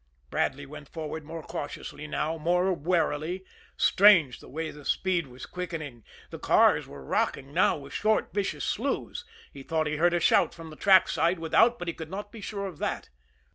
Bradley went forward more cautiously now, more warily. Strange the way the speed was quickening! The cars were rocking now with short, vicious slews. He thought he heard a shout from the track side without, but he could not be sure of that.